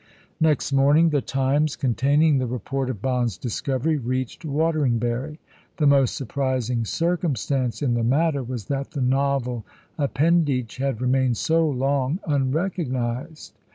" Next morning the Times containing the report of Bond's discovery reached Wateringbury. The most surprising circumstance in the matter was that the novel appendage had remained so long unrecognised.